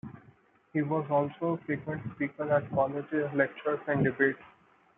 He was also a frequent speaker at colleges, lectures, and debates.